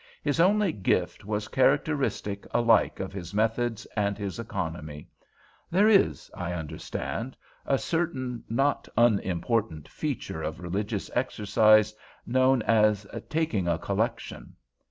His only gift was characteristic alike of his methods and his economy. There is, I understand, a certain not unimportant feature of religious exercise known as 'taking a collection.